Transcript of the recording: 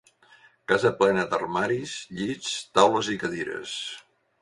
Casa plena d'armaris, llits, taules i cadires.